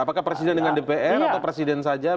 apakah presiden dengan dpr atau presiden saja